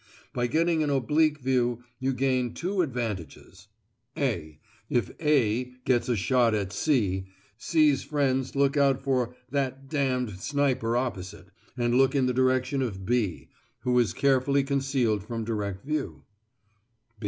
By getting an oblique view, you gain two advantages: (a) If A gets a shot at C, C's friends look out for "that d d sniper opposite," and look in the direction of B, who is carefully concealed from direct view.